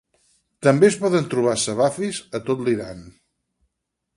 També es poden trobar "Savafis" a tot l'Iran.